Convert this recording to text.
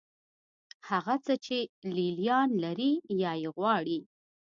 هغه څه چې لې لیان لري یا یې غواړي.